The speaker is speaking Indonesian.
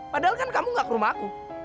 padahal kan kamu nggak ke rumah aku